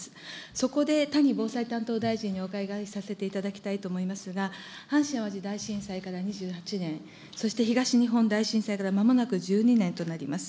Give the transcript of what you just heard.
そこで谷防災担当大臣にお伺いさせていただきたいと思いますが、阪神・淡路大震災から２８年、そして東日本大震災からまもなく１２年となります。